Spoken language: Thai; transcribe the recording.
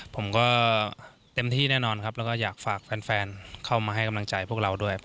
ผมก็เต็มที่แน่นอนครับแล้วก็อยากฝากแฟนเข้ามาให้กำลังใจพวกเราด้วย